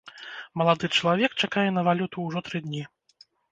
Малады чалавек чакае на валюту ўжо тры дні.